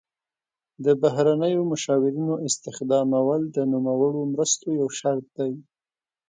د بهرنیو مشاورینو استخدامول د نوموړو مرستو یو شرط دی.